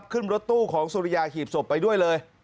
ขึ้นรถตู้ของสุริยาหีบศพไปด้วยเลย